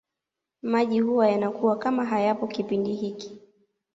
Maji huwa yanakuwa kama hayapo kipindi hiki